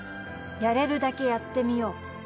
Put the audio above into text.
「やれるだけやってみよう」